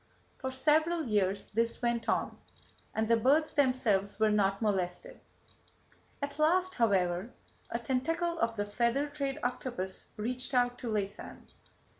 For several years this went on, and the birds themselves were not molested. At last, however, a tentacle of the feather trade octopus reached out to Laysan.